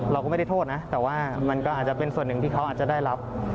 เราก็ไม่ได้โทษนะแต่ว่ามันก็อาจจะเป็นส่วนหนึ่งที่เขาอาจจะได้รับ